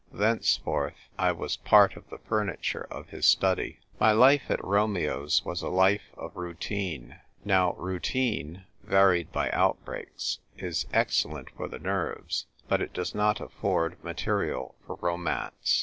Thenceforth, I was part of the furniture of his study. My life at Romeo's was a life of routine. Now routine (varied by outbreaks) is ex cellent for the nerves ; but it does not afford material for romance.